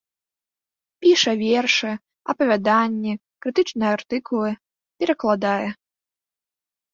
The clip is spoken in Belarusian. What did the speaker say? Піша вершы, апавяданні, крытычныя артыкулы, перакладае.